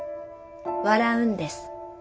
笑うんです』」。